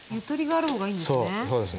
そうですね。